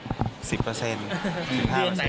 กลับมานี่ก็สัก๑๐